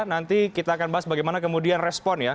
nanti kita akan bahas bagaimana kemudian respon ya